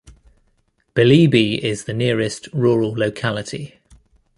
Belebey is the nearest rural locality.